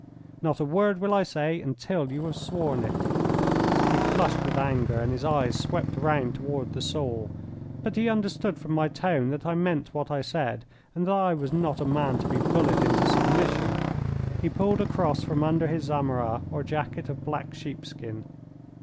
"Not a word will I say until you have sworn it." He flushed with anger and his eyes swept round toward the saw. But he understood from my tone that I meant what I said, and that I was not a man to be bullied into submission. He pulled a cross from under his zammara or jacket of black sheepskin.